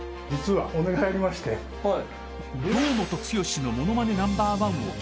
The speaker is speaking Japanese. はい。